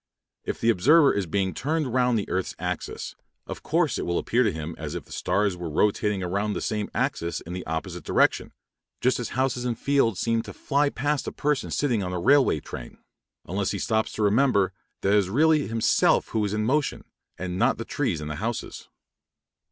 If the observer is being turned round the earth's axis, of course it will appear to him as if the stars were rotating around the same axis in the opposite direction, just as houses and fields seem to fly past a person sitting in a railway train, unless he stops to remember that it is really himself who is in motion, and not the trees and houses.